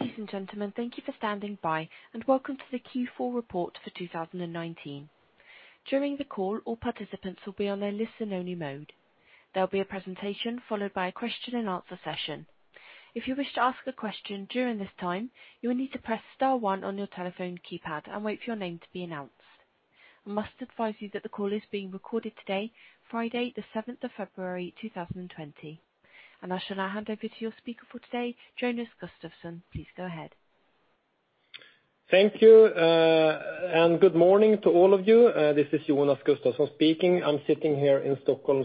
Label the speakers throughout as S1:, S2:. S1: Ladies and gentlemen, thank you for standing by, and welcome to the Q4 report for 2019. During the call, all participants will be on a listen-only mode. There will be a presentation followed by a question and answer session. If you wish to ask a question during this time, you will need to press star one on your telephone keypad and wait for your name to be announced. I must advise you that the call is being recorded today, Friday, February 7th, 2020. I shall now hand over to your speaker for today, Jonas Gustavsson. Please go ahead.
S2: Thank you, and good morning to all of you. This is Jonas Gustavsson speaking. I'm sitting here in Stockholm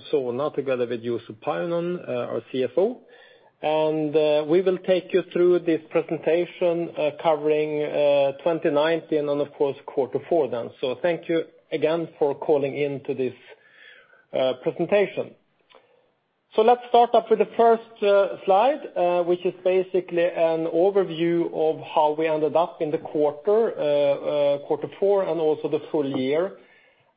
S2: together with Juuso Pajunen, our CFO, and we will take you through this presentation, covering 2019, and of course, Quarter Four. Thank you again for calling into this presentation. Let's start off with the first slide, which is basically an overview of how we ended up in the quarter, Quarter Four, and also the full year.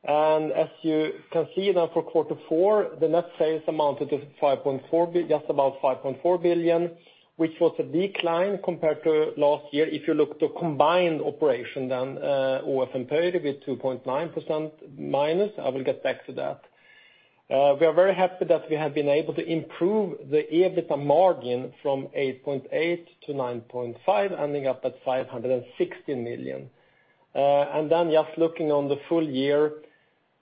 S2: As you can see now for Quarter Four, the net sales amounted to just about 5.4 billion, which was a decline compared to last year. If you look at the combined operation then, ÅF and Pöyry, with 2.9% minus. I will get back to that. We are very happy that we have been able to improve the EBITDA margin from 8.8% to 9.5%, ending up at 560 million. Just looking on the full year,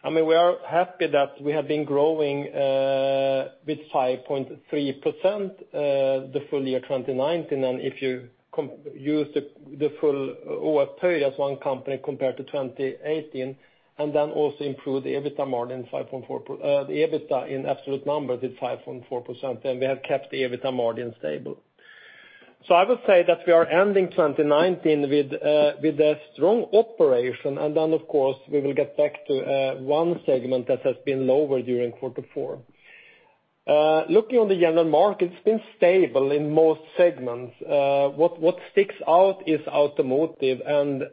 S2: we are happy that we have been growing with 5.3% the full year 2019, and if you use the full ÅF Pöyry as one company compared to 2018, and then also improve the EBITDA in absolute numbers at 5.4%, and we have kept the EBITDA margin stable. I would say that we are ending 2019 with a strong operation, and then, of course, we will get back to one segment that has been lower during Quarter Four. Looking on the general market, it's been stable in most segments. What sticks out is automotive, and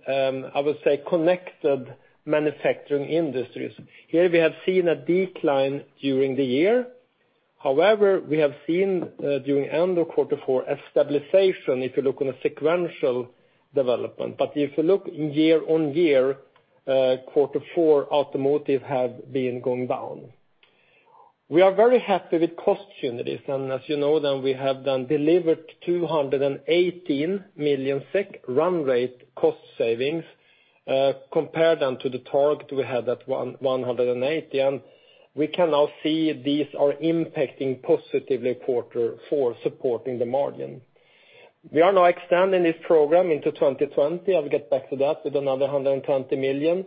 S2: I would say connected manufacturing industries. Here we have seen a decline during the year. However, we have seen during end of Quarter Four, a stabilization if you look on a sequential development. If you look year on year, Quarter Four, automotive has been going down. We are very happy with cost synergies, and as you know, we have then delivered 218 million SEK run rate cost savings, compared then to the target we had at 180 million, and we can now see these are impacting positively Quarter Four, supporting the margin. We are now extending this program into 2020. I will get back to that with another 120 million.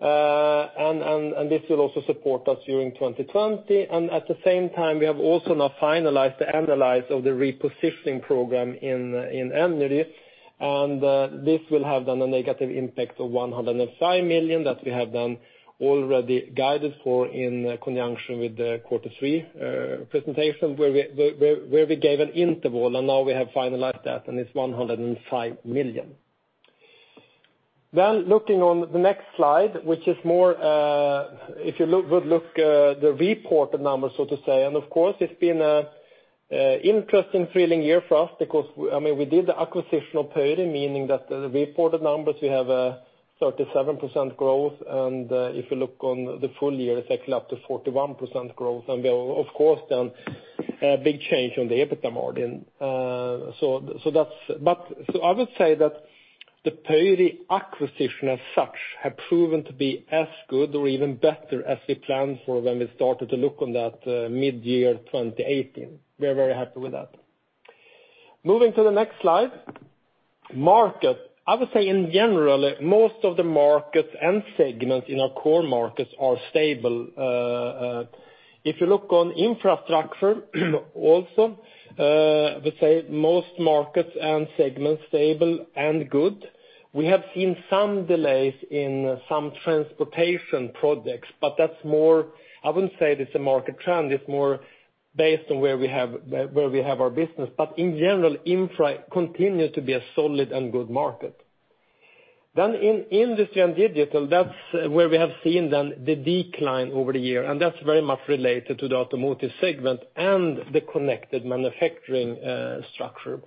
S2: This will also support us during 2020, and at the same time, we have also now finalized the analysis of the repositioning program in Energy, and this will have a negative impact of 105 million that we have done already guided for in conjunction with the Quarter Three presentation, where we gave an interval, and now we have finalized that, and it's 105 million. Looking on the next slide, which if you would look at the reported numbers, so to say, of course, it's been an interesting, thrilling year for us because we did the acquisition of Pöyry, meaning that the reported numbers, we have a 37% growth. If you look on the full year, it's actually up to 41% growth. Of course, then a big change on the EBITDA margin. I would say that the Pöyry acquisition as such has proven to be as good or even better as we planned for when we started to look at that mid-year 2018. We are very happy with that. Moving to the next slide. Market. I would say in general, most of the markets and segments in our core markets are stable. If you look on infrastructure also, I would say most markets and segments stable and good. We have seen some delays in some transportation projects. I wouldn't say that's a market trend. It's more based on where we have our business. In general, Infra continues to be a solid and good market. In Industry and Digital, that's where we have seen the decline over the year, and that's very much related to the automotive segment and the connected manufacturing structure.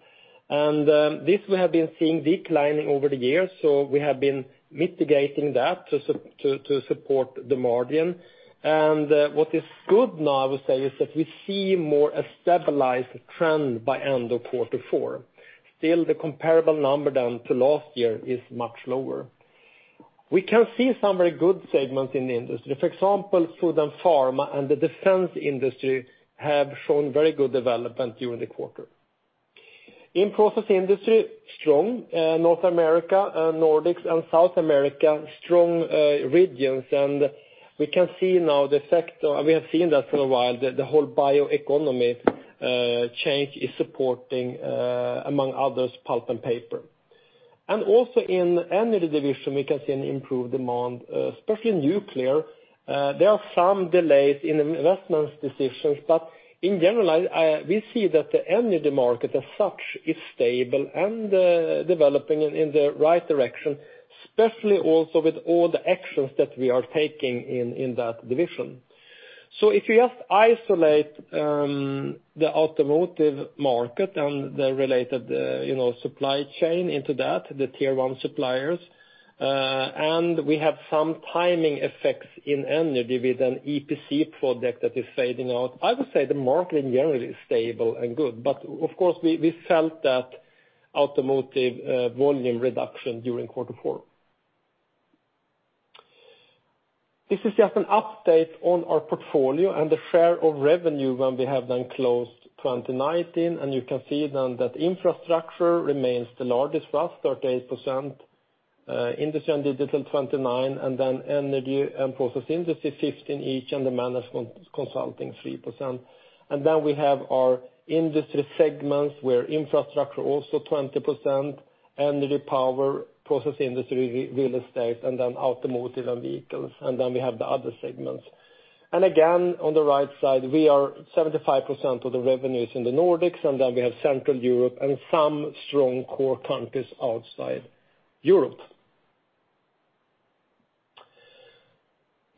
S2: This we have been seeing declining over the years, so we have been mitigating that to support the margin, and what is good now, I would say, is that we see more a stabilized trend by end of Quarter Four. Still, the comparable number down to last year is much lower. We can see some very good segments in the industry. For example, Food and Pharma, and the Defense industry have shown very good development during the quarter. In Process industry, strong. North America, Nordics, and South America, strong regions, and we have seen that for a while, the whole bioeconomy change is supporting, among others, pulp and paper. Also in the Energy Division, we can see an improved demand, especially in nuclear. There are some delays in investment decisions, but in general, we see that the energy market as such is stable and developing in the right direction. Especially also with all the actions that we are taking in that division. If you just isolate the automotive market and the related supply chain into that, the tier 1 suppliers, and we have some timing effects in energy with an EPC project that is fading out. I would say the market in general is stable and good. Of course, we felt that automotive volume reduction during quarter four. This is just an update on our portfolio and the share of revenue when we have then closed 2019, you can see then that infrastructure remains the largest for us, 38%. Industry and digital 29%, energy and process industry 15% each, the management consulting 3%. We have our industry segments, where infrastructure also 20%, energy, power, process industry, Real Estate, then automotive and vehicles. We have the other segments. Again, on the right side, we are 75% of the revenues in the Nordics, then we have Central Europe and some strong core countries outside Europe.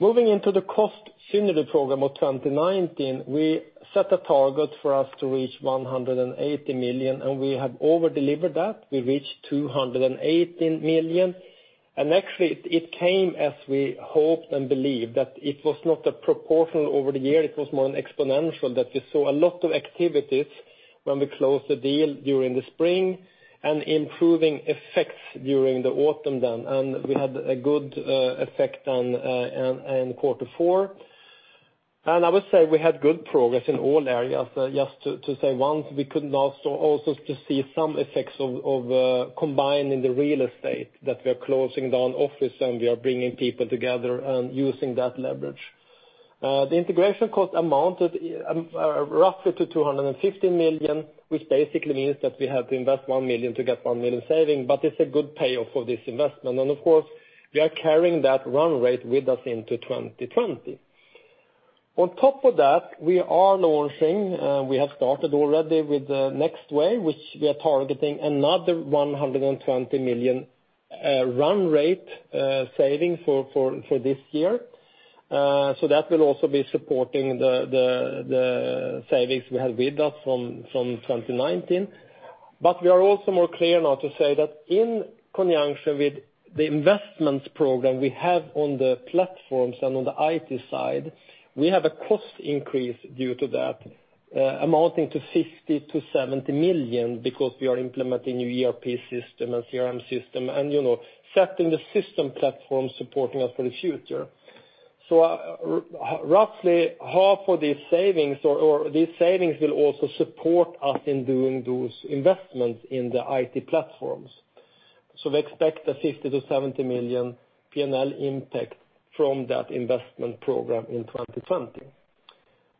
S2: Moving into the cost synergy program of 2019, we set a target for us to reach 180 million, we have over-delivered that. We reached 218 million. Actually, it came as we hoped and believed that it was not a proportional over the year, it was more an exponential that we saw a lot of activities when we closed the deal during the spring and improving effects during the autumn. We had a good effect in quarter four. I would say we had good progress in all areas. Just to say, one, we could now start also to see some effects of combining the real estate, that we are closing down office and we are bringing people together and using that leverage. The integration cost amounted roughly to 250 million, which basically means that we have to invest 1 million to get 1 million saving, it's a good payoff for this investment. Of course, we are carrying that run rate with us into 2020. On top of that, we are launching, we have started already with the next wave, which we are targeting another 120 million run rate saving for this year. That will also be supporting the savings we have with us from 2019. We are also more clear now to say that in conjunction with the investment program we have on the platforms and on the IT side, we have a cost increase due to that amounting to 50 million-70 million because we are implementing new ERP system and CRM system and setting the system platform supporting us for the future. Roughly half of these savings will also support us in doing those investments in the IT platforms. We expect a 50 million-70 million P&L impact from that investment program in 2020.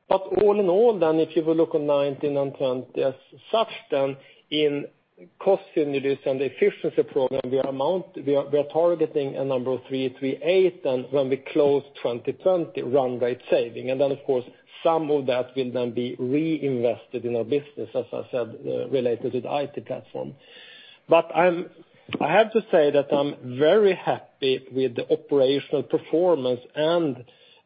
S2: All in all then, if you will look on 2019 and 2020 as such then, in cost synergy and the efficiency program, we are targeting a number of 338 when we close 2020 run rate saving. Of course, some of that will then be reinvested in our business, as I said, related to the IT platform. I have to say that I'm very happy with the operational performance and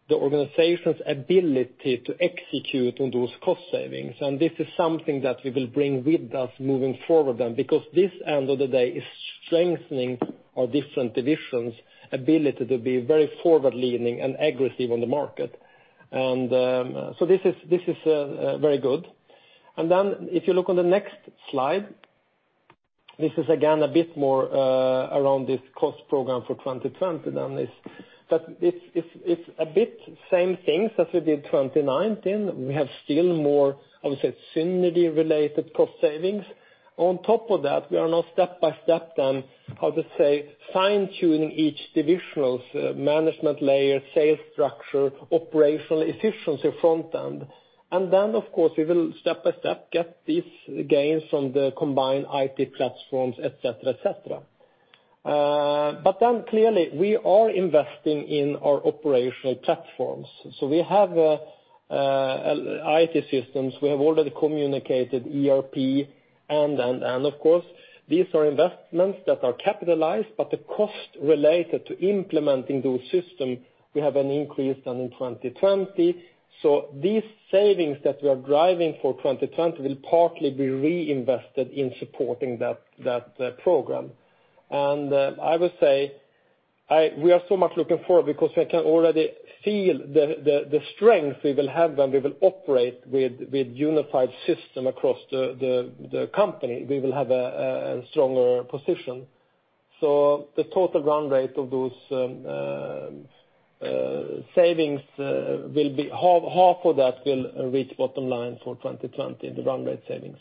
S2: the organization's ability to execute on those cost savings, and this is something that we will bring with us moving forward then, because this, end of the day, is strengthening our different divisions' ability to be very forward-leaning and aggressive on the market. This is very good. If you look on the next slide, this is again a bit more around this cost program for 2020. It's a bit same things as we did 2019. We have still more, I would say, synergy-related cost savings. On top of that, we are now step-by-step then, how to say, fine-tuning each divisional management layer, sales structure, operational efficiency front end. Of course, we will step-by-step get these gains from the combined IT platforms, et cetera. Clearly, we are investing in our operational platforms. We have IT systems. We have already communicated ERP, and of course, these are investments that are capitalized, but the cost related to implementing those systems, we have an increase then in 2020. These savings that we are driving for 2020 will partly be reinvested in supporting that program. I would say we are so much looking forward because we can already feel the strength we will have when we will operate with unified system across the company. We will have a stronger position. The total run rate of those savings, half of that will reach bottom line for 2020, the run rate savings.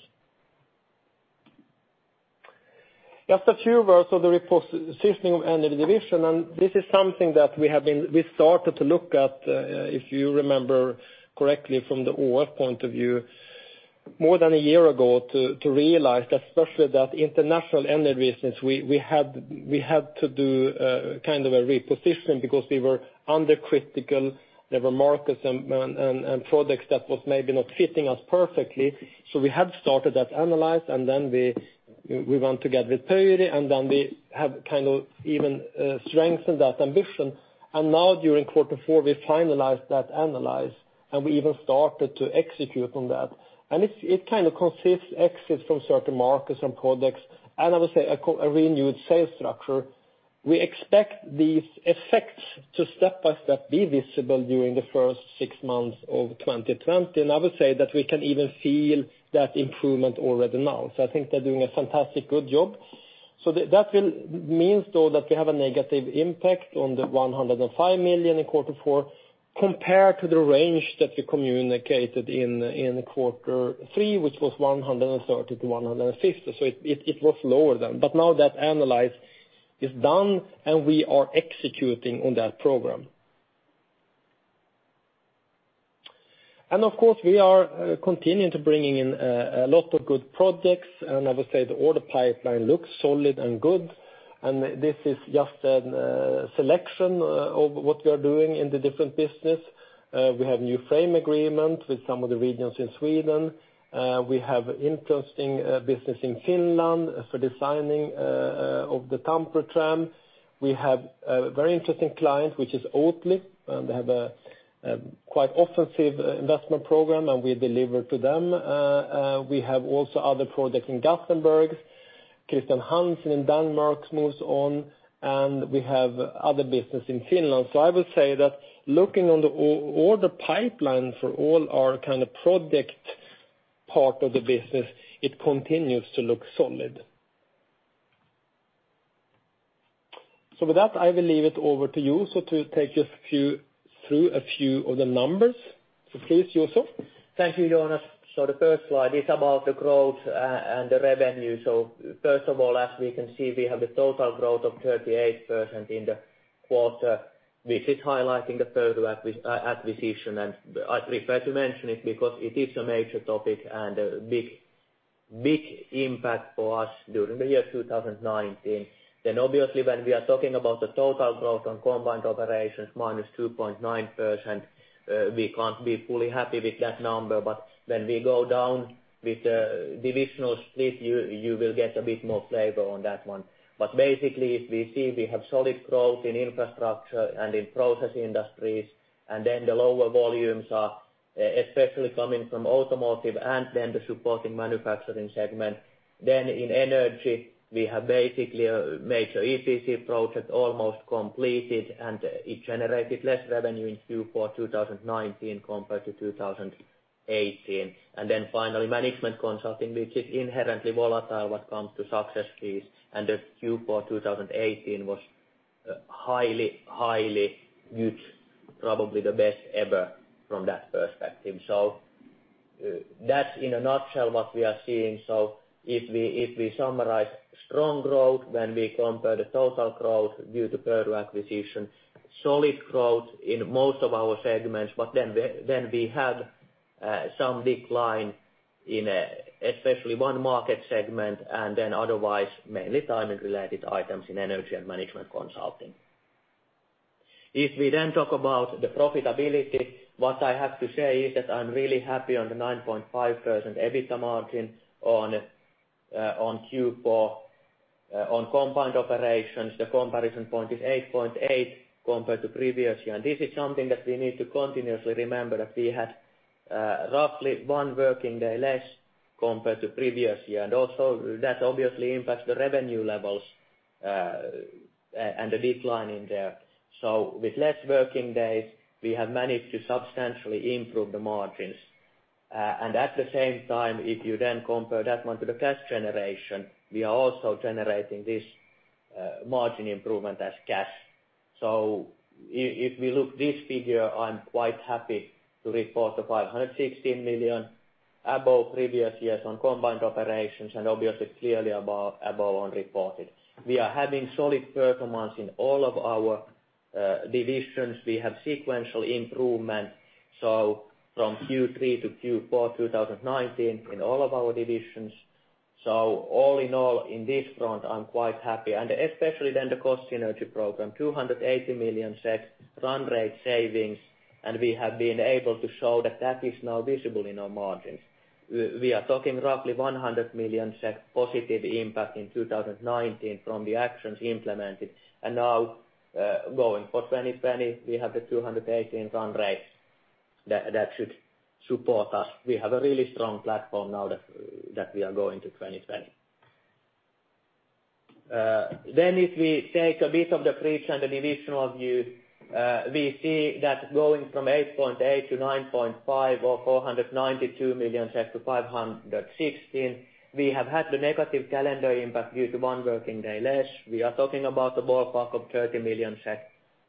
S2: Just a few words on the repositioning of Energy Division, this is something that we started to look at, if you remember correctly from the ÅF point of view. More than a year ago to realize, especially that international energy business, we had to do a reposition because we were under critical. There were markets and products that was maybe not fitting us perfectly. We had started that analyze, we went together with Pöyry, we have even strengthened that ambition. Now during quarter four, we finalized that analysis, and we even started to execute on that. It consists of exits from certain markets and products and, I would say, a renewed sales structure. We expect these effects to step by step be visible during the first six months of 2020, and I would say that we can even feel that improvement already now. I think they're doing a fantastic, good job. That will mean, though, that we have a negative impact on the 105 million in quarter four compared to the range that we communicated in quarter three, which was 130-150. It was lower then. Now that analysis is done, and we are executing on that program. Of course, we are continuing to bring in a lot of good projects. I would say the order pipeline looks solid and good. This is just a selection of what we are doing in the different business. We have new frame agreement with some of the regions in Sweden. We have interesting business in Finland for designing of the Tampere tram. We have a very interesting client, which is Oatly. They have a quite offensive investment program, and we deliver to them. We have also other project in Gothenburg. Chr. Hansen in Denmark moves on. We have other business in Finland. I would say that looking on the order pipeline for all our kind of project part of the business, it continues to look solid. With that, I will leave it over to you. To take just through a few of the numbers. Please, Juuso.
S3: Thank you, Jonas. The first slide is about the growth and the revenue. First of all, as we can see, we have a total growth of 38% in the quarter. This is highlighting the Pöyry acquisition, and I prefer to mention it because it is a major topic and a big impact for us during the year 2019. Obviously, when we are talking about the total growth on combined operations minus 2.9%, we can't be fully happy with that number. When we go down with the divisional split, you will get a bit more flavor on that one. Basically, we see we have solid growth in infrastructure and in process industries, and then the lower volumes are especially coming from automotive and then the supporting manufacturing segment. In energy, we have basically a major EPC project almost completed, and it generated less revenue in Q4 2019 compared to 2018. Finally, management consulting, which is inherently volatile when it comes to success fees, and the Q4 2018 was highly huge, probably the best ever from that perspective. That's in a nutshell what we are seeing. If we summarize strong growth when we compare the total growth due to Pöyry acquisition, solid growth in most of our segments. We have some decline in especially one market segment, and then otherwise mainly timing-related items in energy and management consulting. If we then talk about the profitability, what I have to say is that I'm really happy on the 9.5% EBITDA margin on Q4. On combined operations, the comparison point is 8.8% compared to previous year. This is something that we need to continuously remember, that we had roughly one working day less compared to previous year. Also that obviously impacts the revenue levels and the decline in there. With less working days, we have managed to substantially improve the margins. At the same time, if you compare that one to the cash generation, we are also generating this margin improvement as cash. If we look this figure, I'm quite happy to report the 516 million above previous years on combined operations, and obviously clearly above on reported. We are having solid performance in all of our divisions. We have sequential improvement, from Q3-Q4 2019 in all of our divisions. All in all, in this front, I'm quite happy. Especially then the cost synergy program, 280 million SEK run rate savings, and we have been able to show that that is now visible in our margins. We are talking roughly 100 million positive impact in 2019 from the actions implemented. Now going for 2020, we have the 218 run rate that should support us. We have a really strong platform now that we are going to 2020. If we take a bit of the bridge and the divisional view, we see that going from 8.8%-9.5% or 492 million-516 million. We have had the negative calendar impact due to one working day less. We are talking about a ballpark of 30 million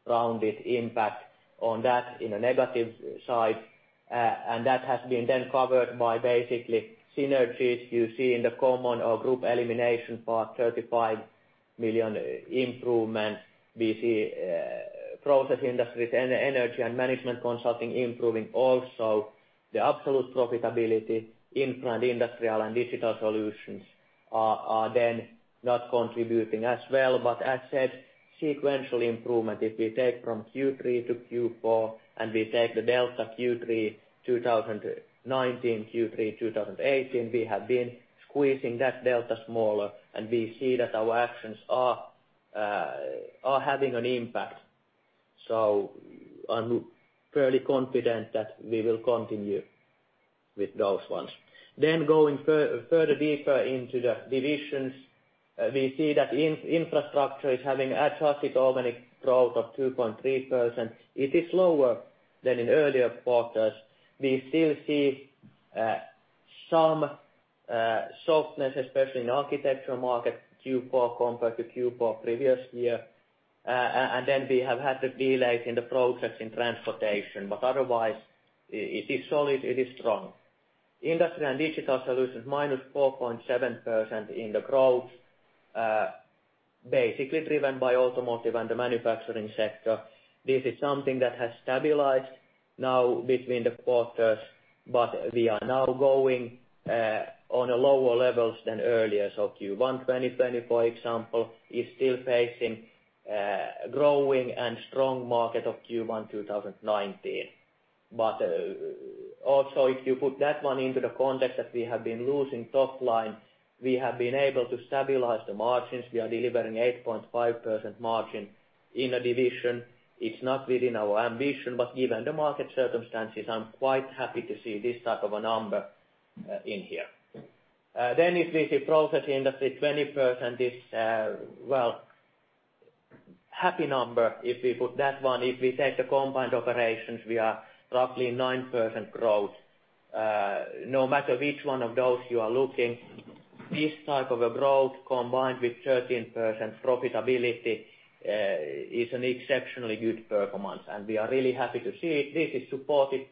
S3: rounded impact on that in a negative side. That has been then covered by basically synergies you see in the common or group elimination part, 35 million improvement. We see process industries, energy and management consulting improving also the absolute profitability in plant industrial and digital solutions are then not contributing as well. As said, sequential improvement if we take from Q3-Q4 and we take the delta Q3 2019, Q3 2018, we have been squeezing that delta smaller, and we see that our actions are having an impact. I'm fairly confident that we will continue with those ones. Going further deeper into the divisions, we see that infrastructure is having adjusted organic growth of 2.3%. It is lower than in earlier quarters. We still see some softness, especially in architectural market Q4 compared to Q4 previous year. We have had the delays in the process in transportation, but otherwise it is solid, it is strong. Industry and digital solutions -4.7% in the growth, basically driven by automotive and the manufacturing sector. This is something that has stabilized now between the quarters, we are now going on a lower levels than earlier. Q1 2020, for example, is still facing growing and strong market of Q1 2019. Also if you put that one into the context that we have been losing top line, we have been able to stabilize the margins. We are delivering 8.5% margin in a division. It's not within our ambition, but given the market circumstances, I'm quite happy to see this type of a number in here. If we see process industry 20%, it's a happy number. If we put that one, if we take the combined operations, we are roughly 9% growth. No matter which one of those you are looking, this type of a growth combined with 13% profitability, is an exceptionally good performance and we are really happy to see it. This is supported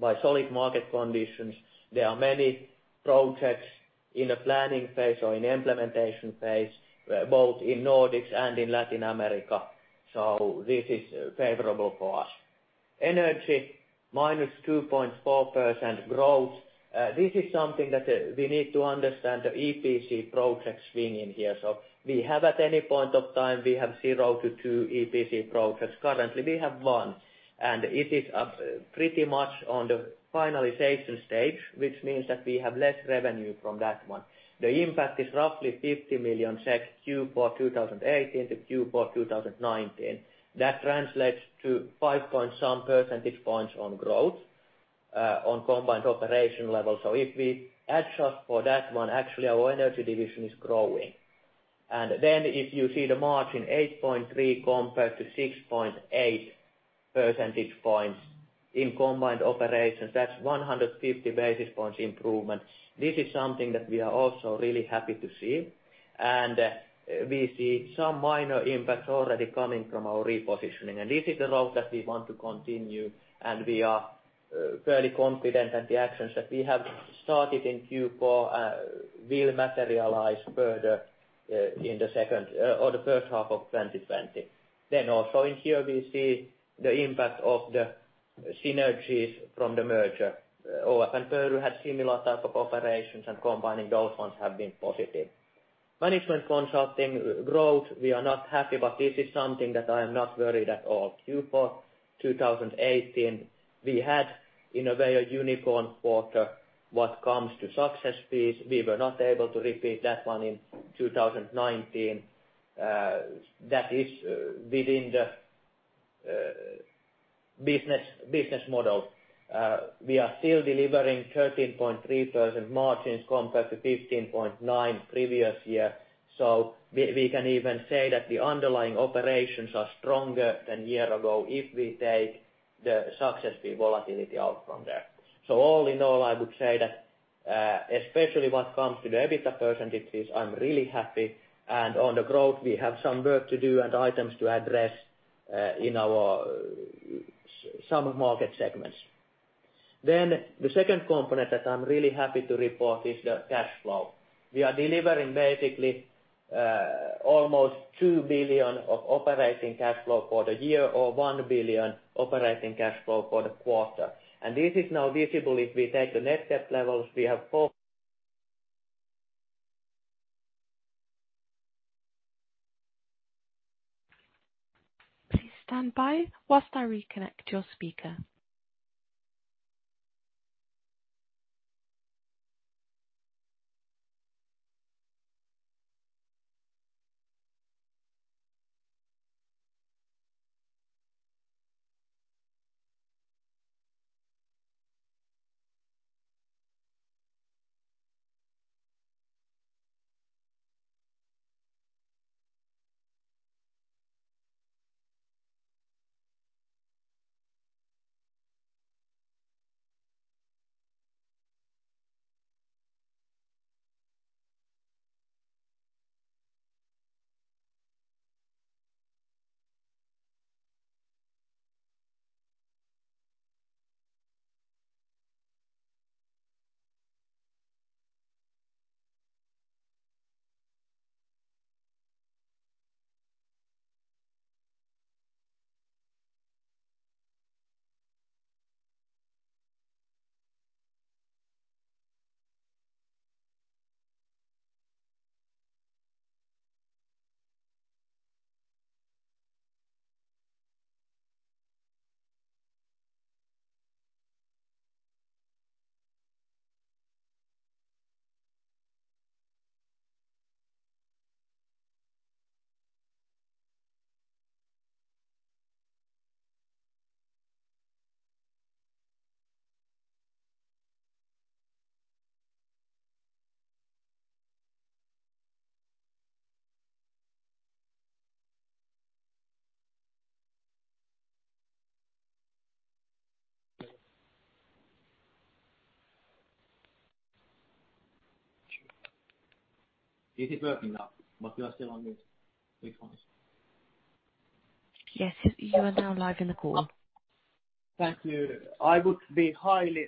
S3: by solid market conditions. There are many projects in the planning phase or in implementation phase, both in Nordics and in Latin America. This is favorable for us. Energy, minus 2.4% growth. This is something that we need to understand the EPC projects being in here. We have at any point of time, we have 0-2 EPC projects. Currently we have one, and it is pretty much on the finalization stage, which means that we have less revenue from that one. The impact is roughly 50 million Q4 2018-Q4 2019. That translates to 5 point some percentage points on growth on combined operation level. If we adjust for that one, actually our energy division is growing. If you see the margin 8.3 compared to 6.8 percentage points in combined operations, that's 150 basis points improvement. This is something that we are also really happy to see, and we see some minor impacts already coming from our repositioning. This is the route that we want to continue, and we are fairly confident that the actions that we have started in Q4 will materialize further in the second or the H1 of 2020. Also in here we see the impact of the synergies from the merger. AFRY and Pöyry had similar type of operations and combining those ones have been positive. Management consulting growth. We are not happy, but this is something that I am not worried at all. Q4 2018 we had in a way a unicorn quarter what comes to success fees. We were not able to repeat that one in 2019. That is within the business model. We are still delivering 13.3% margins compared to 15.9% previous year. We can even say that the underlying operations are stronger than year ago if we take the success fee volatility out from there. All in all, I would say that especially what comes to the EBITDA percentages, I'm really happy. On the growth, we have some work to do and items to address in our some market segments. The second component that I'm really happy to report is the cash flow. We are delivering basically almost 2 billion of operating cash flow for the year or 1 billion operating cash flow for the quarter. This is now visible if we take the net debt levels, we have four-.
S1: Please stand by while I reconnect your speaker
S3: Is it working now? We are still on mute. Which one is it?
S1: Yes. You are now live in the call.
S3: Thank you. I would be highly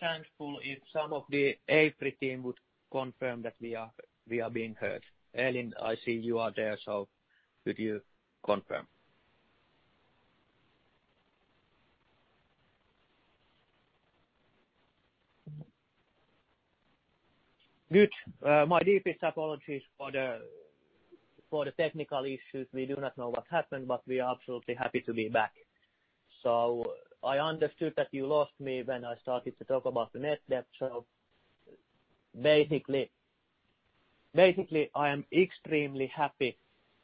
S3: thankful if some of the AFRY team would confirm that we are being heard. Elin, I see you are there, so could you confirm? Good. My deepest apologies for the technical issues. We do not know what happened, but we are absolutely happy to be back. I understood that you lost me when I started to talk about the net debt. Basically, I am extremely happy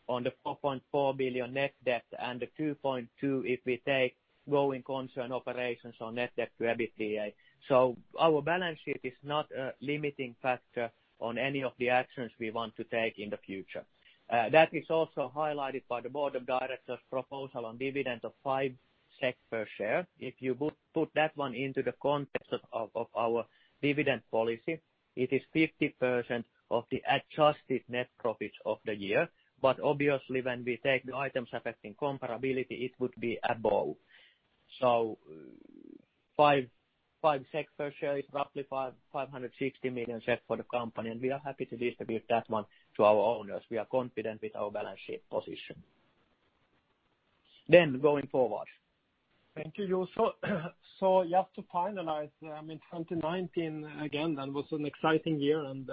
S3: on the 4.4 billion net debt and the 2.2 if we take going concern operations on net debt to EBITDA. Our balance sheet is not a limiting factor on any of the actions we want to take in the future. That is also highlighted by the board of directors' proposal on dividend of 5 SEK per share. You put that one into the context of our dividend policy, it is 50% of the adjusted net profits of the year. Obviously, when we take the items affecting comparability, it would be above. Five SEK per share is roughly 560 million SEK for the company, and we are happy to distribute that one to our owners. We are confident with our balance sheet position.
S2: Thank you, Juuso. Just to finalize, 2019 again, that was an exciting year and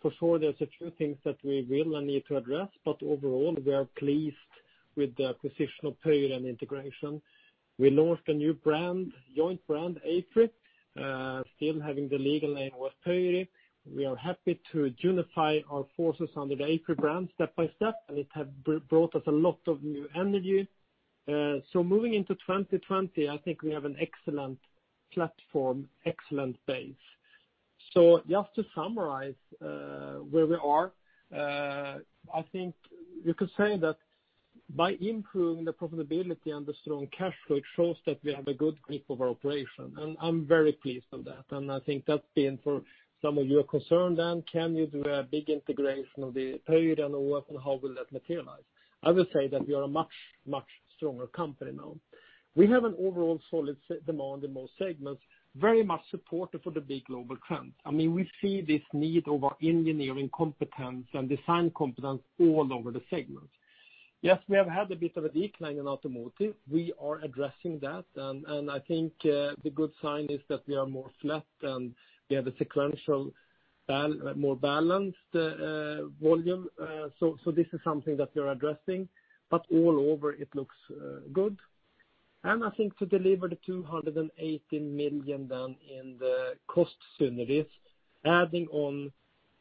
S2: for sure there's a few things that we will and need to address, but overall, we are pleased with the positional period and integration. We launched a new joint brand, AFRY, still having the legal name was Pöyry. We are happy to unify our forces under the AFRY brand step by step, and it has brought us a lot of new energy. Moving into 2020, I think we have an excellent platform, excellent base. Just to summarize where we are, I think we could say that by improving the profitability and the strong cash flow, it shows that we have a good grip of our operation, and I'm very pleased with that. I think that's been for some of your concern then, can you do a big integration of the Pöyry and how will that materialize? I will say that we are a much stronger company now. We have an overall solid demand in most segments, very much supported for the big global trends. We see this need of our engineering competence and design competence all over the segments. Yes, we have had a bit of a decline in automotive. We are addressing that, and I think the good sign is that we are more flat and we have a sequential more balanced volume. This is something that we're addressing. All over it looks good. I think to deliver the 218 million in the cost synergies, adding on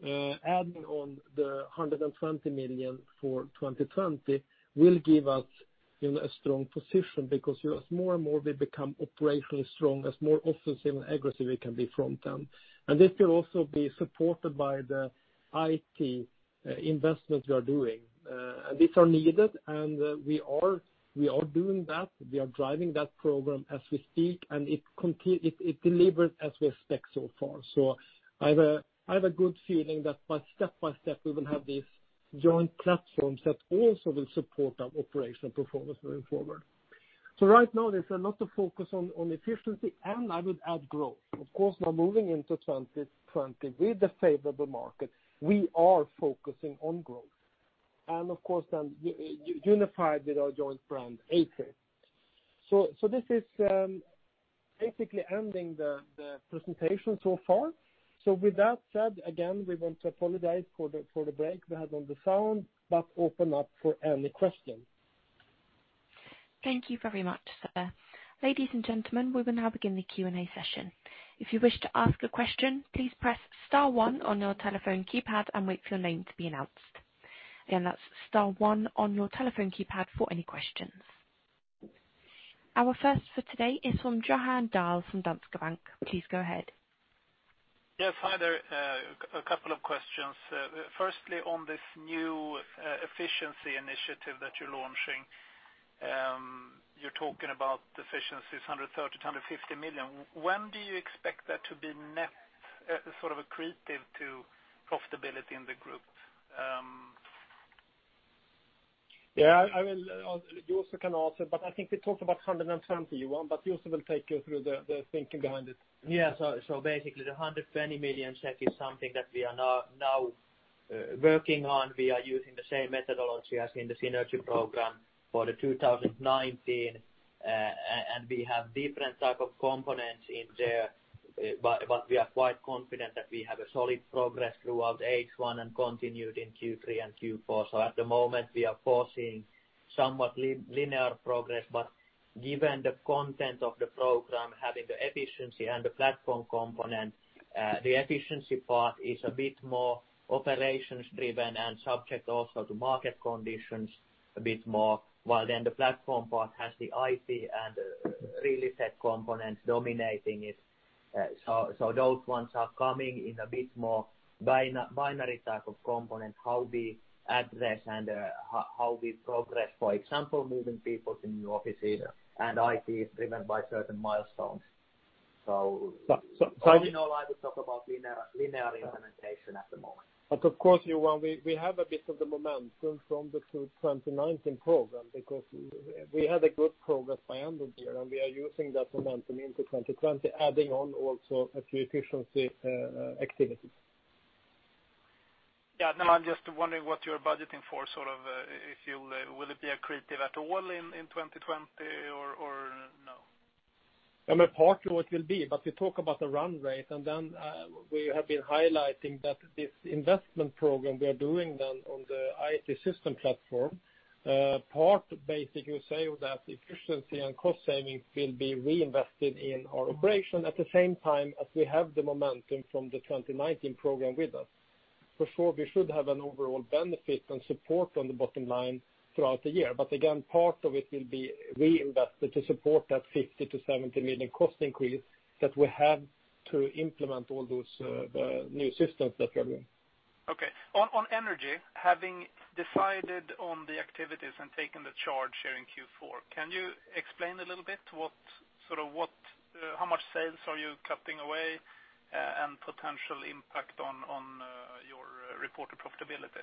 S2: the 120 million for 2020 will give us a strong position because as more and more we become operationally strong, as more offensive and aggressive we can be front-end. This will also be supported by the IT investment we are doing. These are needed, and we are doing that. We are driving that program as we speak, and it delivers as we expect so far. I have a good feeling that by step-by-step, we will have these joint platforms that also will support our operational performance moving forward. Right now there's a lot of focus on efficiency and I would add growth. Of course, now moving into 2020 with the favorable market, we are focusing on growth. Of course, unified with our joint brand, AFRY. This is basically ending the presentation so far. With that said, again, we want to apologize for the break we had on the phone, but open up for any question.
S1: Thank you very much. Ladies and gentlemen, we will now begin the Q&A session. If you wish to ask a question, please press star one on your telephone keypad and wait for your name to be announced. Again, that's star one on your telephone keypad for any questions. Our first for today is from Johan Dahl from Danske Bank. Please go ahead.
S4: Yes. Hi there. A couple of questions. Firstly, on this new efficiency initiative that you're launching, you're talking about efficiencies 130 million-150 million. When do you expect that to be net, sort of accretive to profitability in the group?
S2: Yeah. I will. Juuso can also, but I think we talked about 170, Johan, but Juuso will take you through the thinking behind it.
S3: Yeah. Basically the 120 million SEK is something that we are now working on. We are using the same methodology as in the synergy program for the 2019, we have different type of components in there. We are quite confident that we have a solid progress throughout H1 and continued in Q3 and Q4. At the moment, we are foreseeing somewhat linear progress, but given the content of the program, having the efficiency and the platform component, the efficiency part is a bit more operations driven and subject also to market conditions a bit more, while then the platform part has the IP and real estate components dominating it. Those ones are coming in a bit more binary type of component, how we address and how we progress, for example, moving people to new offices and IT is driven by certain milestones.
S2: So-
S3: All in all, I would talk about linear implementation at the moment.
S2: Of course, Johan, we have a bit of the momentum from the 2019 program because we had a good progress by end of the year, and we are using that momentum into 2020, adding on also a few efficiency activities.
S4: I'm just wondering what you're budgeting for, if will it be accretive at all in 2020 or no?
S2: I mean, partly it will be, but we talk about the run rate, and then we have been highlighting that this investment program we are doing then on the IT system platform, part basically say that efficiency and cost savings will be reinvested in our operation at the same time as we have the momentum from the 2019 program with us. For sure, we should have an overall benefit and support on the bottom line throughout the year. Again, part of it will be reinvested to support that 50 million-70 million cost increase that we have to implement all those new systems that we are doing.
S4: On energy, having decided on the activities and taken the charge here in Q4, can you explain a little bit how much sales are you cutting away and potential impact on your reported profitability?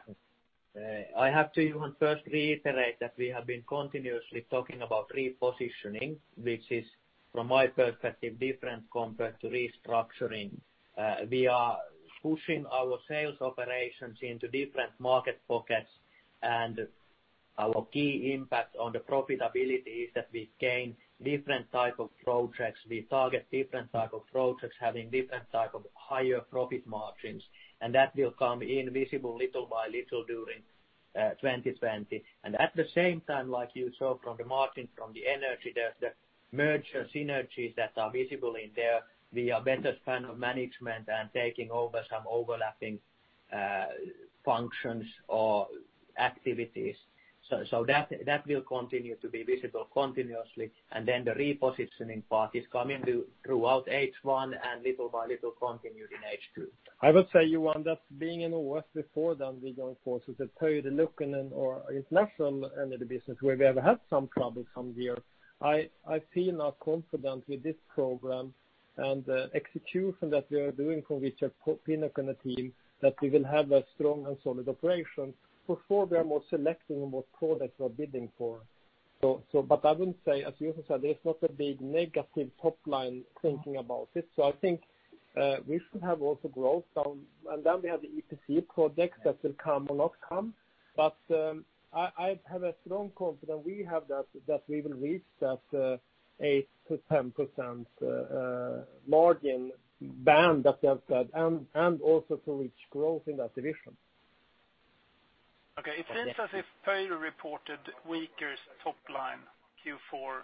S3: I have to, Johan, first reiterate that we have been continuously talking about repositioning, which is from my perspective different compared to restructuring. We are pushing our sales operations into different market pockets, and our key impact on the profitability is that we gain different type of projects. We target different type of projects having different type of higher profit margins, and that will come in visible little by little during 2020. At the same time, like you saw from the margin from the energy, there's the merger synergies that are visible in there via better span of management and taking over some overlapping functions or activities. That will continue to be visible continuously, and then the repositioning part is coming throughout H1 and little by little continued in H2.
S2: I would say, Johan, that being in ÅF before then we going forward to the Pöyry look and our international energy business, where we have had some trouble some years. I feel now confident with this program and the execution that we are doing from Richard Pinnock and team that we will have a strong and solid operation. We are more selecting on what products we're bidding for. I wouldn't say, as Juuso said, there's not a big negative top line thinking about it. I think we should have also growth down. We have the EPC projects that will come along. I have a strong confidence we have that we will reach that 8%-10% margin band that we have said, and also to reach growth in that division.
S4: Okay. It seems as if Pöyry reported weaker top line Q4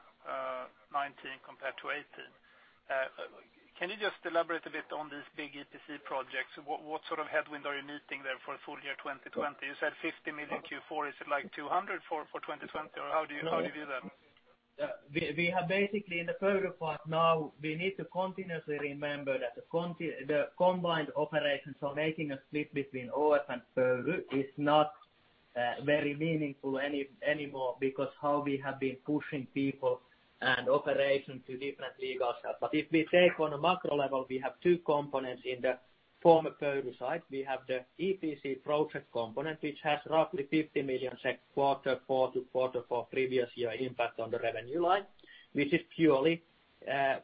S4: 2019 compared to 2018. Can you just elaborate a bit on these big EPC projects? What sort of headwind are you meeting there for full year 2020? You said 50 million Q4. Is it like 200 for 2020, or how do you view that?
S3: We have basically in the Pöyry part now, we need to continuously remember that the combined operations or making a split between ÅF and Pöyry is not very meaningful anymore because how we have been pushing people and operations to different legal cells. If we take on a macro level, we have two components in the former Pöyry side. We have the EPC project component, which has roughly 50 million SEK quarter four to quarter four previous year impact on the revenue line, which is purely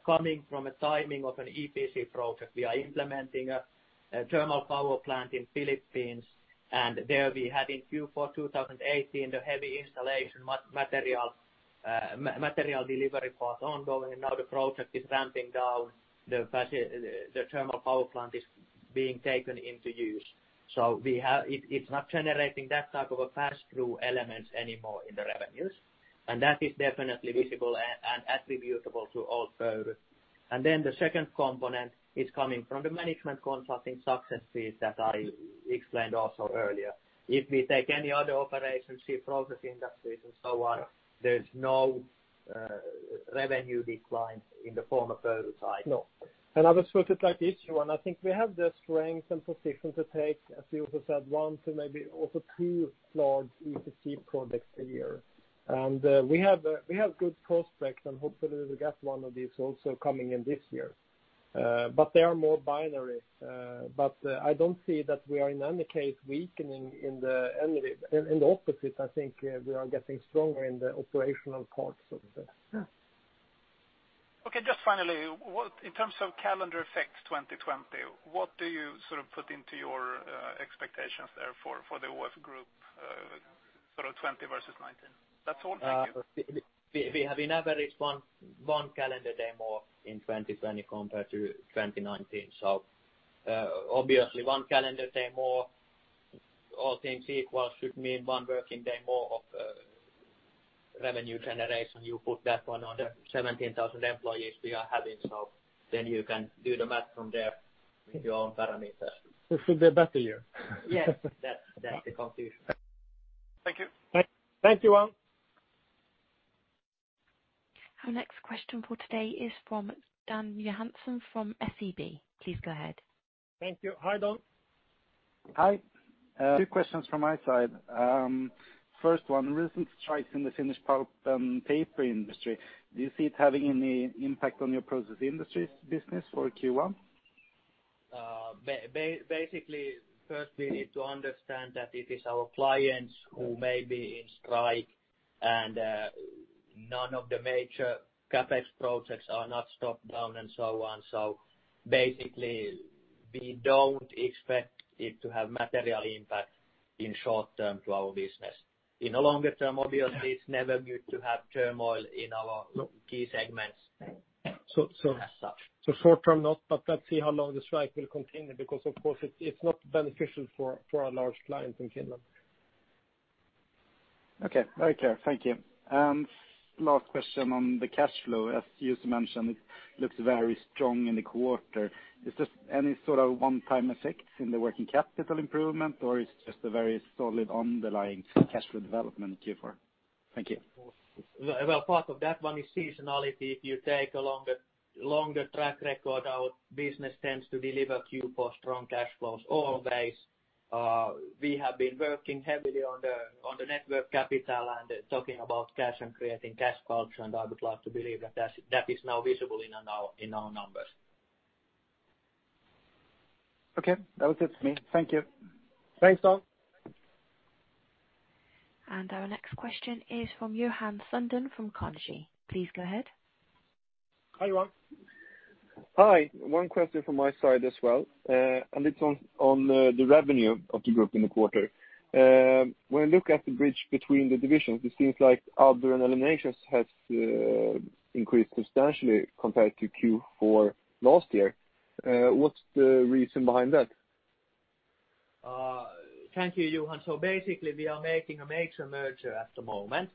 S3: coming from a timing of an EPC project. We are implementing a thermal power plant in Philippines, there we had in Q4 2018, the heavy installation material delivery part ongoing, now the project is ramping down. The thermal power plant is being taken into use. It's not generating that type of a pass-through elements anymore in the revenues. That is definitely visible and attributable to old Pöyry. The second component is coming from the management consulting success fees that I explained also earlier. If we take any other operations, ship process industries and so on, there's no revenue decline in the former Pöyry side.
S2: No. I would like to add, Johan, I think we have the strength and position to take, as Juuso said, one to maybe also two large EPC projects a year. We have good prospects and hopefully we'll get one of these also coming in this year. They are more binary. I don't see that we are in any case weakening in the end of it. In the opposite, I think we are getting stronger in the operational parts of this.
S4: Okay. Just finally, in terms of calendar effects 2020, what do you put into your expectations there for the ÅF Group 2020 versus 2019? That's all. Thank you.
S3: We have an average one calendar day more in 2020 compared to 2019. Obviously one calendar day more, all things equal, should mean one working day more of revenue generation. You put that one on the 17,000 employees we are having. You can do the math from there with your own parameters.
S2: It should be a better year.
S3: Yes. That's the conclusion.
S4: Thank you.
S2: Thank you, Johan.
S1: Our next question for today is from Dan Johansson from SEB. Please go ahead.
S2: Thank you. Hi, Dan.
S5: Hi. Two questions from my side. First one, recent strikes in the Finnish pulp and paper industry. Do you see it having any impact on your process industries business for Q1?
S3: Basically, first we need to understand that it is our clients who may be in strike, and none of the major CapEx projects are not stopped down and so on. Basically, we don't expect it to have material impact in short-term to our business. In the longer term, obviously, it's never good to have turmoil in our key segments as such.
S5: Short-term not, let's see how long the strike will continue, because, of course, it's not beneficial for our large clients in Finland. Okay, very clear. Thank you. Last question on the cash flow. As you mentioned, it looks very strong in the quarter. Is this any sort of one-time effect in the net working capital improvement, or it's just a very solid underlying cash flow development in Q4? Thank you.
S3: Well, part of that one is seasonality. If you take a longer track record, our business tends to deliver Q4 strong cash flows always. We have been working heavily on the net working capital and talking about cash and creating cash culture, and I would like to believe that is now visible in our numbers.
S5: Okay. That was it for me. Thank you.
S2: Thanks, Dan.
S1: Our next question is from Johan Sundén from Carnegie. Please go ahead.
S2: Hi, Johan.
S6: Hi. One question from my side as well. It's on the revenue of the group in the quarter. When I look at the bridge between the divisions, it seems like other and eliminations has increased substantially compared to Q4 last year. What's the reason behind that?
S3: Thank you, Johan. Basically, we are making a major merger at the moment.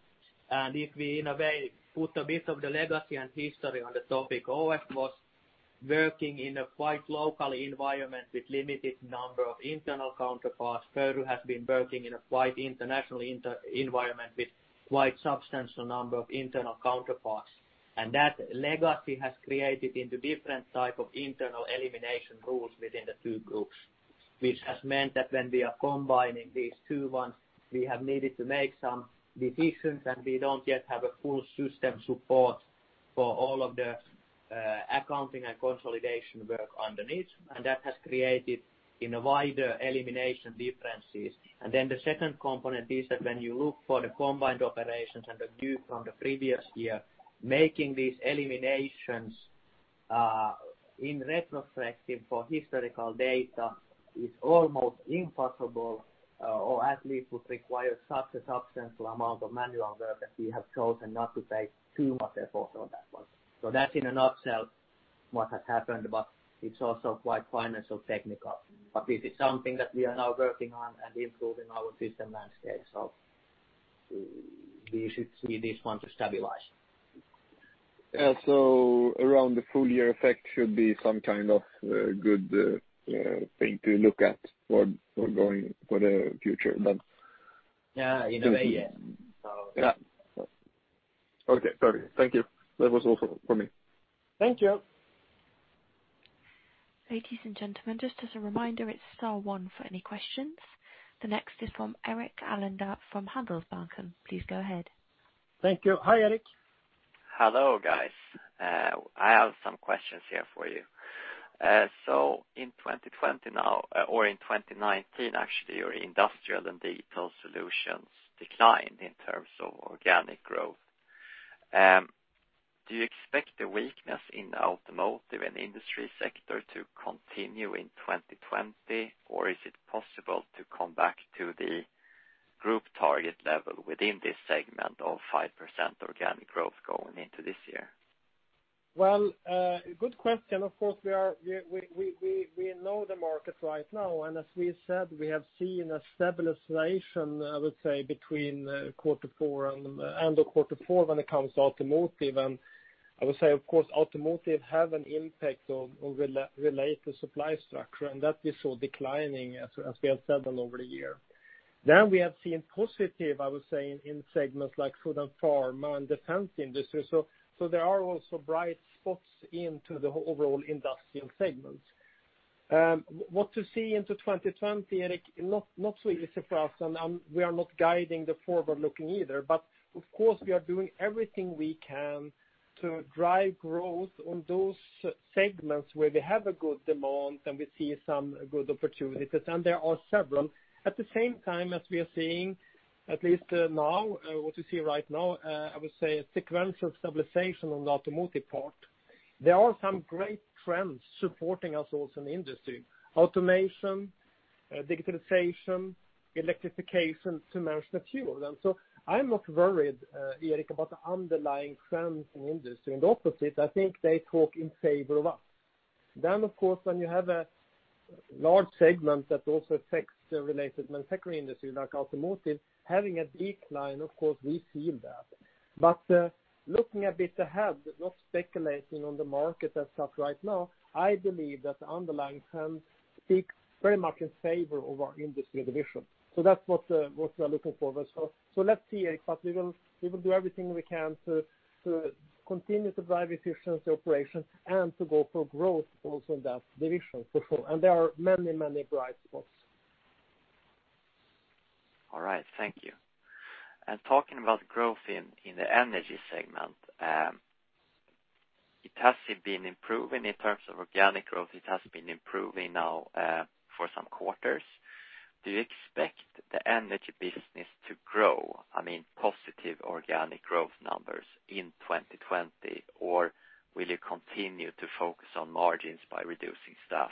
S3: If we, in a way, put a bit of the legacy and history on the topic, ÅF was working in a quite local environment with limited number of internal counterparts. Pöyry has been working in a quite international environment with quite substantial number of internal counterparts. That legacy has created into different type of internal elimination rules within the two groups, which has meant that when we are combining these two ones, we have needed to make some decisions, and we don't yet have a full system support for all of the accounting and consolidation work underneath. That has created wider elimination differences. The second component is that when you look for the combined operations and the view from the previous year, making these eliminations in retrospective for historical data is almost impossible, or at least would require such a substantial amount of manual work that we have chosen not to pay too much effort on that one. That's in a nutshell what has happened, but it's also quite financial technical. It is something that we are now working on and improving our system landscape. We should see this one stabilize.
S6: Yeah. Around the full year effect should be some kind of good thing to look at for the future then?
S3: Yeah, in a way, yeah.
S6: Okay. Perfect. Thank you. That was all for me.
S2: Thank you.
S1: Ladies and gentlemen, just as a reminder, it's star one for any questions. The next is from Erik Elander from Handelsbanken. Please go ahead.
S2: Thank you. Hi, Erik.
S7: Hello, guys. I have some questions here for you. In 2019, actually, your industrial and digital solutions declined in terms of organic growth. Do you expect the weakness in the automotive and industry sector to continue in 2020? Is it possible to come back to the group target level within this segment of 5% organic growth going into this year?
S2: Well, good question. Of course, we know the market right now. As we said, we have seen a stabilization, I would say, between end of quarter four when it comes to automotive. I would say, of course, automotive have an impact on related supply structure, and that we saw declining, as we have said on over the year. We have seen positive, I would say, in segments like food and pharma and defense industry. There are also bright spots into the overall industrial segments. What to see into 2020, Erik, not so easy for us. We are not guiding the forward-looking either. Of course, we are doing everything we can to drive growth on those segments where we have a good demand, and we see some good opportunities. There are several. At the same time, as we are seeing at least now, what we see right now, I would say a sequential stabilization on the automotive part. There are some great trends supporting us also in the industry, automation, digitalization, electrification, to mention a few of them. I'm not worried, Erik, about the underlying trends in industry and the opposite, I think they talk in favor of us. Of course, when you have a large segment that also affects the related manufacturing industry like automotive, having a decline, of course, we see that. Looking a bit ahead, not speculating on the market as such right now, I believe that the underlying trends speak very much in favor of our industry division. That's what we are looking forward. Let's see, Erik, we will do everything we can to continue to drive efficiency operations and to go for growth also in that division for sure. There are many bright spots.
S7: All right. Thank you. Talking about growth in the energy segment, it has been improving in terms of organic growth. It has been improving now for some quarters. Do you expect the energy business to grow, I mean, positive organic growth numbers in 2020? Or will you continue to focus on margins by reducing staff?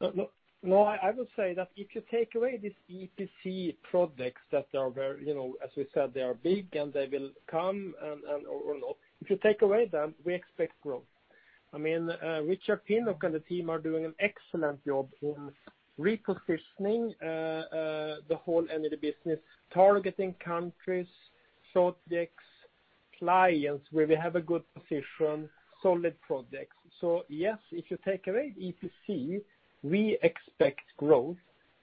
S2: I would say that if you take away these EPC projects that are very, as we said, they are big and they will come or not. If you take away them, we expect growth. I mean, Richard Pinnock and the team are doing an excellent job in repositioning the whole energy business, targeting countries, projects, clients where we have a good position, solid projects. Yes, if you take away EPC, we expect growth,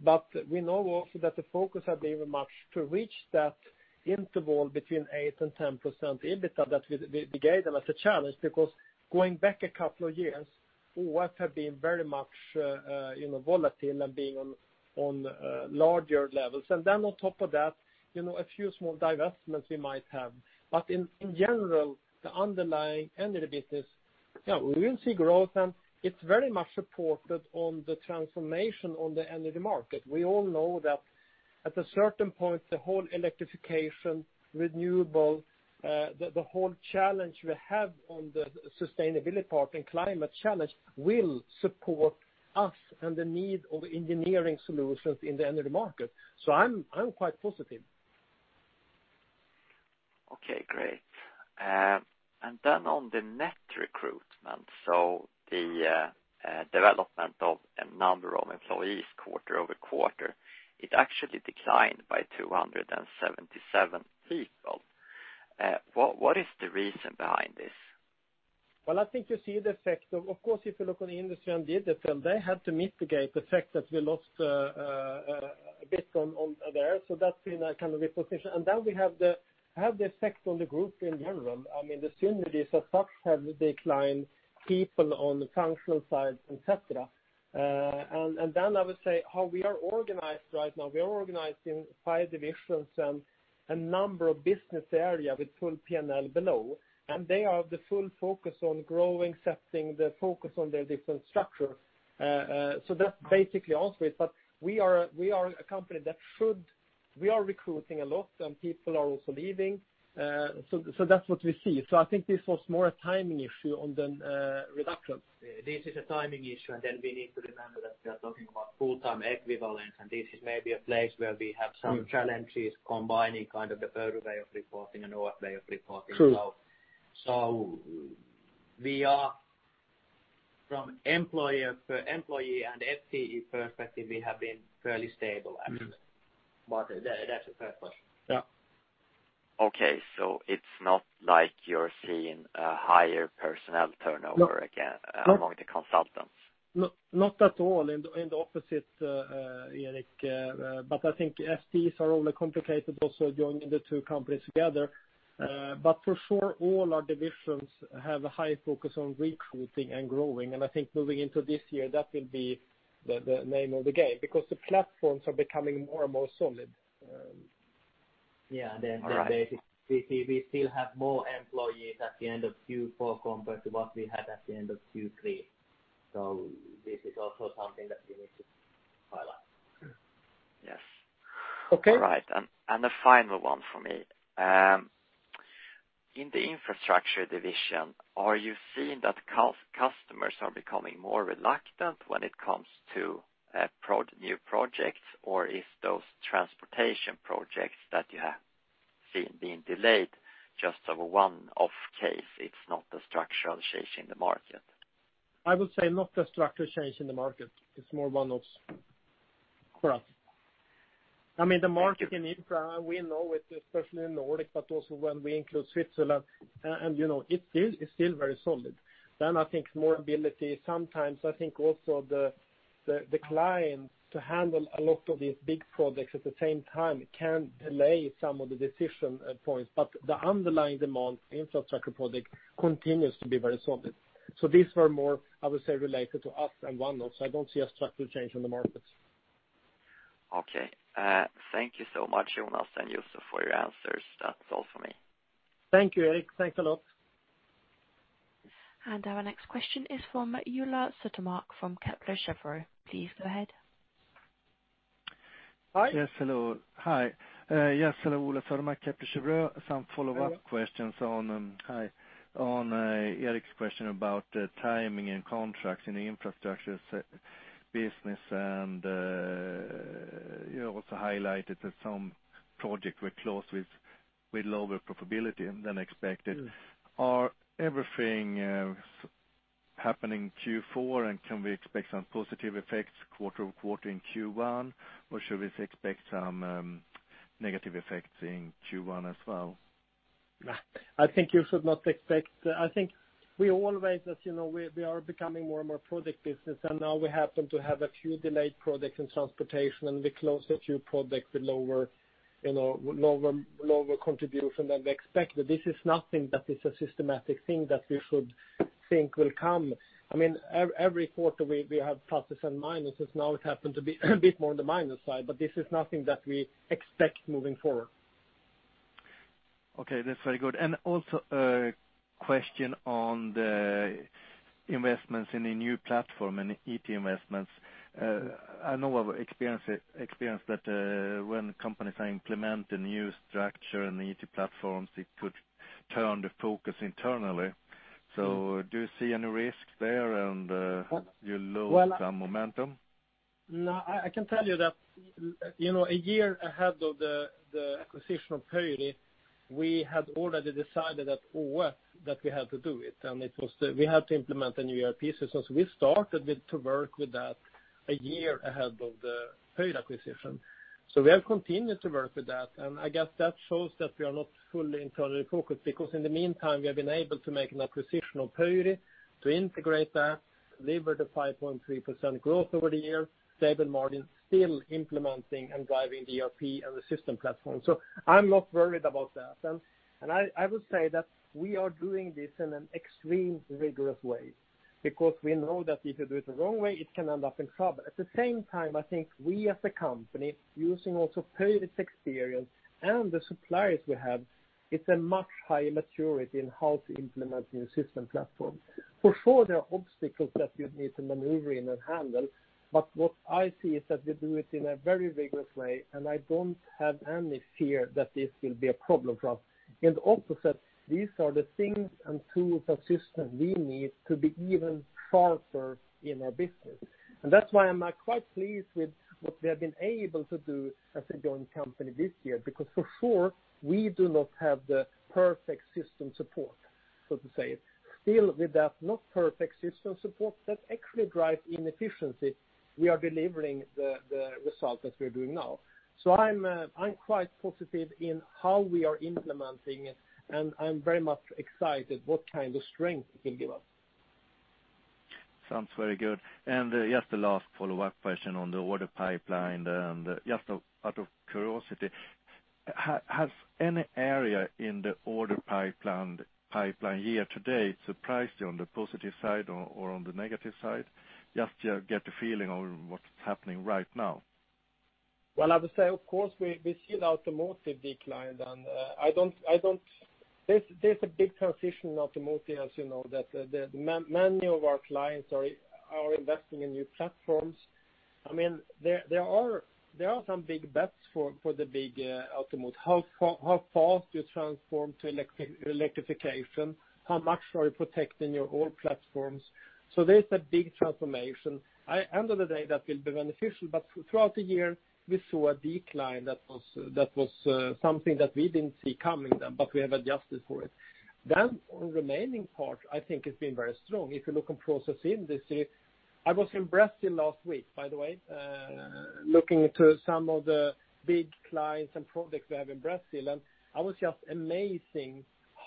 S2: but we know also that the focus has been very much to reach that interval between 8% and 10% EBITDA that we gave them as a challenge, because going back a couple of years, ÅF have been very much volatile and being on larger levels. On top of that, a few small divestments we might have. In general, the underlying energy business, yeah, we will see growth, and it's very much supported on the transformation on the energy market. We all know that at a certain point, the whole electrification, renewable, the whole challenge we have on the sustainability part and climate challenge will support us and the need of engineering solutions in the energy market. I'm quite positive.
S7: Okay, great. Then on the net recruitment, so the development of a number of employees quarter-over-quarter, it actually declined by 277 people. What is the reason behind this?
S2: Well, I think you see the effect of course, if you look on the industry and digital, they had to mitigate the fact that we lost a bit on there. That's been a kind of reposition. Then we have the effect on the group in general. I mean, the synergies as such have declined people on the functional side, et cetera. Then I would say how we are organized right now, we are organized in 5 divisions and a number of business area with full P&L below, and they have the full focus on growing, setting the focus on their different structure. That's basically answers it, but we are recruiting a lot, and people are also leaving. That's what we see. I think this was more a timing issue on the reduction.
S3: This is a timing issue, and then we need to remember that we are talking about full-time equivalent, and this is maybe a place where we have some challenges combining kind of the Pöyry way of reporting and our way of reporting.
S2: True.
S3: From employee and FTE perspective, we have been fairly stable actually. That's the first question.
S2: Yeah.
S7: Okay, it's not like you're seeing a higher personnel turnover again among the consultants?
S2: No, not at all, in the opposite, Erik. I think FTEs are only complicated also joining the two companies together. For sure, all our divisions have a high focus on recruiting and growing. I think moving into this year, that will be the name of the game because the platforms are becoming more and more solid.
S3: Yeah.
S7: All right.
S3: We see we still have more employees at the end of Q4 compared to what we had at the end of Q3. This is also something that we need to highlight.
S2: Yes.
S7: Okay. All right. The final one for me. In the infrastructure division, are you seeing that customers are becoming more reluctant when it comes to new projects? If those transportation projects that you have seen being delayed just of a one-off case, it's not a structural change in the market?
S2: I would say not a structural change in the market. It's more one-offs for us. I mean, the market in infra, we know it, especially in the Nordics, but also when we include Switzerland. It's still very solid. I think more ability sometimes I think also The client to handle a lot of these big projects at the same time can delay some of the decision points, but the underlying demand infrastructure project continues to be very solid. These were more, I would say, related to us than one-off. I don't see a structural change in the markets.
S7: Okay. Thank you so much, Jonas and Juuso, for your answers. That's all for me.
S2: Thank you, Erik. Thanks a lot.
S1: Our next question is from Ola Södermark from Kepler Cheuvreux. Please go ahead.
S2: Hi.
S8: Yes. Hello. Hi. Yes, hello Ola Södermark, Kepler Cheuvreux. Some follow-up questions on-
S2: Hi
S8: On Erik's question about timing and contracts in the infrastructure business and you also highlighted that some projects were closed with lower profitability than expected, is everything happening Q4 and can we expect some positive effects quarter-on-quarter in Q1, or should we expect some negative effects in Q1 as well?
S2: No, I think you should not expect I think we always, as you know, we are becoming more and more project business, and now we happen to have a few delayed projects in transportation, and we close a few projects with lower contribution than we expected. This is nothing that is a systematic thing that we should think will come. Every quarter we have pluses and minuses. Now it happened to be a bit more on the minus side. This is nothing that we expect moving forward.
S8: Okay, that's very good. Also a question on the investments in a new platform and IT investments. I know our experience that when companies are implementing new structure and IT platforms, it could turn the focus internally. Do you see any risks there?
S2: Well-
S8: you lose some momentum?
S2: No, I can tell you that, a year ahead of the acquisition of Pöyry, we had already decided at ÅF that we had to do it, and we had to implement a new ERP system. We started to work with that a year ahead of the Pöyry acquisition. We have continued to work with that. I guess that shows that we are not fully internally focused, because in the meantime, we have been able to make an acquisition of Pöyry to integrate that, deliver the 5.3% growth over the year, stable margin, still implementing and driving the ERP and the system platform. I am not worried about that. I would say that we are doing this in an extreme rigorous way because we know that if you do it the wrong way, it can end up in trouble. At the same time, I think we as a company, using also Pöyry's experience and the suppliers we have, it's a much higher maturity in how to implement new system platform. There are obstacles that you need to maneuver in and handle, but what I see is that we do it in a very rigorous way, and I don't have any fear that this will be a problem for us. In the opposite, these are the things and tools of system we need to be even sharper in our business. That's why I'm quite pleased with what we have been able to do as a joint company this year. For sure we do not have the perfect system support, so to say. Still with that not perfect system support that actually drive inefficiency, we are delivering the result that we're doing now. I'm quite positive in how we are implementing it, and I'm very much excited what kind of strength it will give us.
S8: Sounds very good. Just a last follow-up question on the order pipeline, and just out of curiosity, has any area in the order pipeline year to date surprised you on the positive side or on the negative side, just to get a feeling of what's happening right now?
S2: Well, I would say, of course, we see the automotive decline, and there's a big transition in automotive, as you know, that many of our clients are investing in new platforms. There are some big bets for the big automotive. How far do you transform to electrification? How much are you protecting your old platforms? There's a big transformation. End of the day, that will be beneficial, but throughout the year, we saw a decline that was something that we didn't see coming then, but we have adjusted for it. On remaining part, I think it's been very strong. If you look on processing this year. I was in Brazil last week, by the way, looking to some of the big clients and projects we have in Brazil. I was just amazed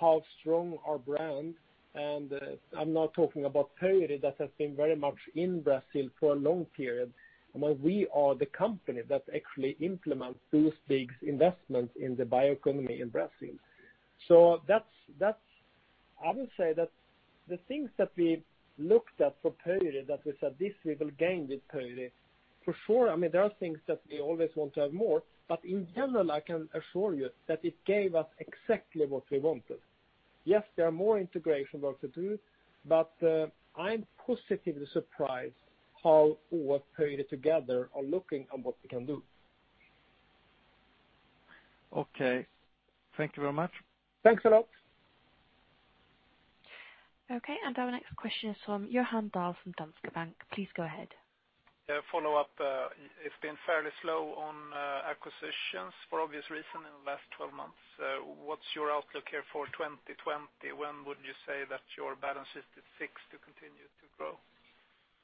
S2: how strong our brand, and I'm not talking about Pöyry that has been very much in Brazil for a long period. I mean, we are the company that actually implement those big investments in the bioeconomy in Brazil. I would say that the things that we looked at for Pöyry, that we said this we will gain with Pöyry, for sure, there are things that we always want to have more, but in general, I can assure you that it gave us exactly what we wanted. Yes, there are more integration work to do, but I'm positively surprised how ÅF, Pöyry together are looking on what we can do.
S8: Okay. Thank you very much.
S2: Thanks a lot.
S1: Okay, our next question is from Johan Dahl from Danske Bank. Please go ahead.
S4: A follow-up. It's been fairly slow on acquisitions for obvious reasons in the last 12 months. What's your outlook here for 2020? When would you say that your balance sheet is fixed to continue to grow?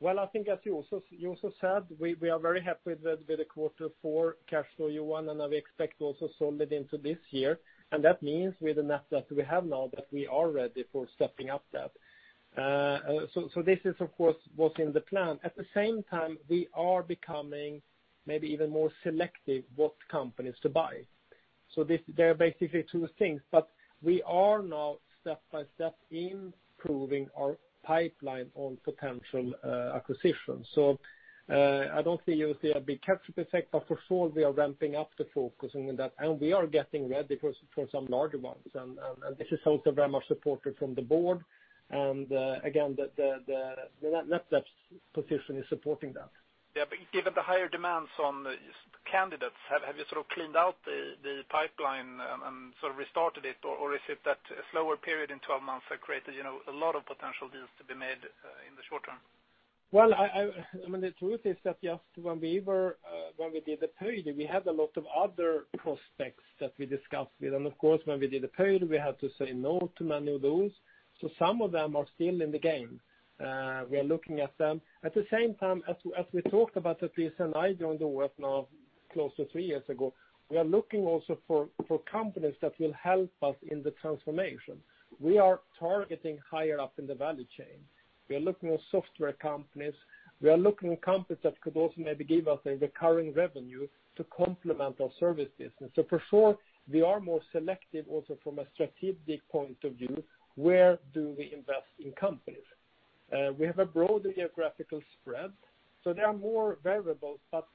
S2: Well, I think as Juuso said, we are very happy with the quarter for cashflow, Johan. We expect also solid into this year. That means with the net that we have now that we are ready for stepping up that. This is of course, was in the plan. At the same time, we are becoming maybe even more selective what companies to buy. There are basically two things. We are now step by step improving our pipeline on potential acquisitions. I don't see you'll see a big catch-up effect. For sure we are ramping up the focusing on that. We are getting ready for some larger ones. This is also very much supported from the board. Again, the net debt position is supporting that.
S4: Yeah, given the higher demands on candidates, have you sort of cleaned out the pipeline and sort of restarted it? Is it that a slower period in 12 months have created a lot of potential deals to be made in the short term?
S2: Well, the truth is that just when we did the Pöyry deal, we had a lot of other prospects that we discussed with. Of course, when we did the Pöyry deal, we had to say no to many of those. Some of them are still in the game. We are looking at them. At the same time, as we talked about that this, and I joined the work now close to three years ago, we are looking also for companies that will help us in the transformation. We are targeting higher up in the value chain. We are looking at software companies. We are looking at companies that could also maybe give us a recurring revenue to complement our service business. For sure, we are more selective also from a strategic point of view, where do we invest in companies? We have a broad geographical spread. There are more variables, but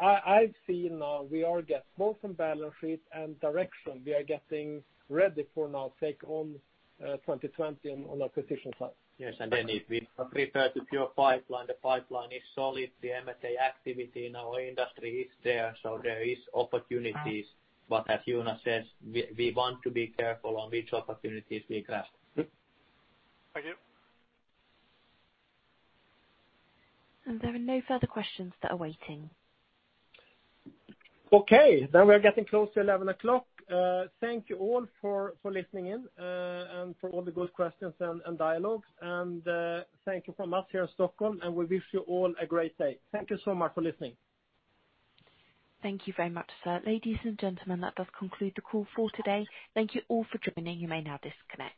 S2: I've seen now we are get both in balance sheet and direction. We are getting ready for now take on 2020 on acquisition side.
S3: Yes. If we prepare the pure pipeline, the pipeline is solid. The M&A activity in our industry is there, so there is opportunities. As Jonas says, we want to be careful on which opportunities we grasp.
S4: Thank you.
S1: There are no further questions that are waiting.
S2: Okay. We are getting close to 11 o'clock. Thank you all for listening in, and for all the good questions and dialogue. Thank you from us here in Stockholm, and we wish you all a great day. Thank you so much for listening.
S1: Thank you very much, sir. Ladies and gentlemen, that does conclude the call for today. Thank you all for joining. You may now disconnect.